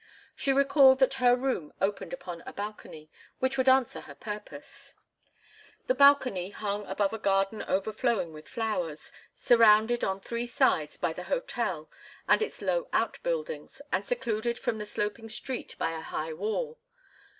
She recalled that her room opened upon a balcony, which would answer her purpose. The balcony hung above a garden overflowing with flowers, surrounded on three sides by the hotel and its low outbuildings, and secluded from the sloping street by a high wall.